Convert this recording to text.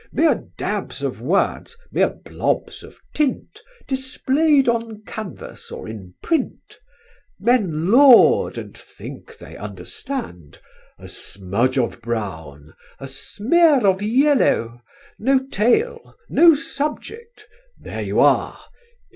Mere dabs of words, mere blobs of tint, Displayed on canvas or in print, Men laud, and think they understand. "A smudge of brown, a smear of yellow, No tale, no subject, there you are!